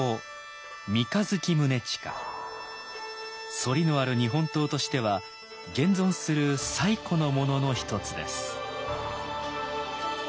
「反り」のある日本刀としては現存する最古のものの一つです。